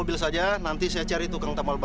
tapi dia janji alam dari buket sa goesa